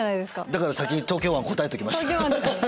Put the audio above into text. だから先に東京湾答えときました。